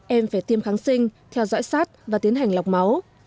em phải tiêm kháng sinh theo dõi sát và tiến hành lọc máu